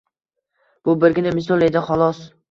Bu birgina misol edi, xolos.